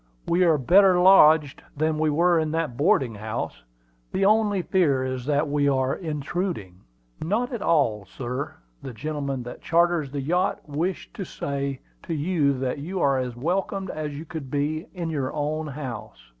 "We are better lodged than we were in that boarding house. The only fear is that we are intruding." "Not at all, sir. The gentleman that charters the yacht wished me to say to you that you are as welcome as you could be in your own house."